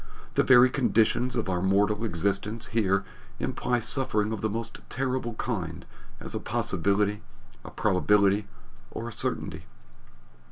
The very conditions of our mortal existence here imply suffering of the most terrible kind as a possibility, a probability, or a certainty.